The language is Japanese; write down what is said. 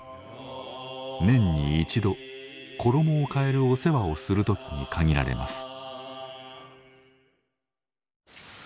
年に一度衣を替えるお世話をする時に限られます。